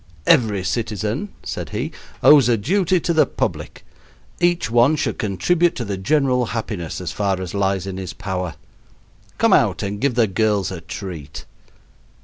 "Every citizen," said he, "owes a duty to the public. Each one should contribute to the general happiness as far as lies in his power. Come out and give the girls a treat."